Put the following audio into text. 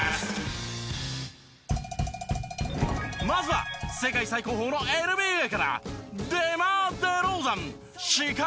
まずは世界最高峰のＮＢＡから。